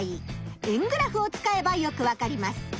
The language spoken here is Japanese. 円グラフを使えばよくわかります。